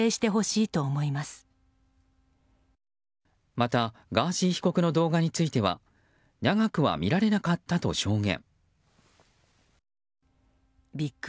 またガーシー被告の動画については長くは見られなかったと証言。